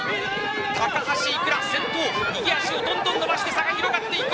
高橋いくら、先頭逃げ足をどんどん伸ばして差が広がっている！